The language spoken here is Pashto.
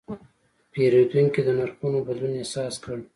پیرودونکی د نرخونو بدلون احساس کړ.